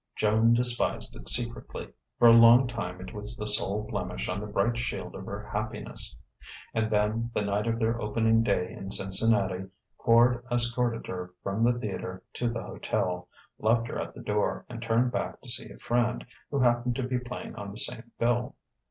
Joan despised it secretly. For a long time it was the sole blemish on the bright shield of her happiness.... And then, the night of their opening day in Cincinnati, Quard escorted her from the theatre to the hotel, left her at the door, and turned back to "see a friend" who happened to be playing on the same bill.